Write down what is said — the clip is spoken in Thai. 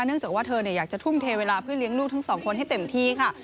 จากว่าเธออยากจะทุ่มเทเวลาเพื่อเลี้ยงลูกทั้งสองคนให้เต็มที่ค่ะ